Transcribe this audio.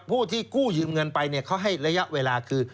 ผู้ที่กู้ยืมเงินไปเขาให้ระยะเวลาคือ